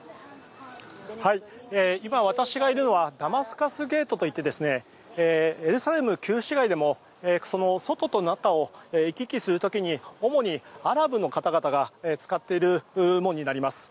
今、私がいるのはダマスカスゲートといってエルサレム旧市街でも外と中を行き来する時に主にアラブの方々が使っている門になります。